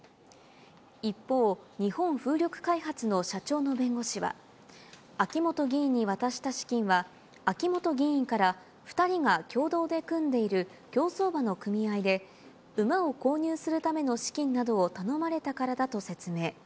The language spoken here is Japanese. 一方、日本風力開発の社長の弁護士は、秋本議員に渡した資金は、秋本議員から２人が共同で組んでいる競走馬の組合で、馬を購入するための資金などを頼まれたからだと説明。